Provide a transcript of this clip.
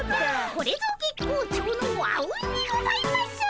これぞ月光町のあうんにございます！